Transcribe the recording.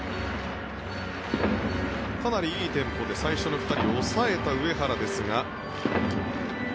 かなりいいテンポで最初の２人を抑えた上原ですが。